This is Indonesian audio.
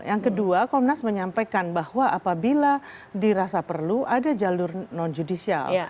yang kedua komnas menyampaikan bahwa apabila dirasa perlu ada jalur non judicial